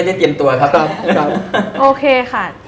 ต่อต่อต่อ